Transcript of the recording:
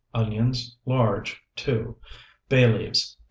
Onions, large, 2. Bay leaves, 2.